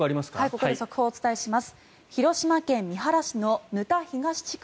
ここで速報をお伝えします。